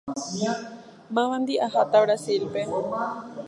Mávandi aháta Brasilpe.